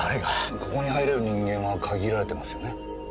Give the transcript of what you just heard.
ここに入れる人間は限られてますよね？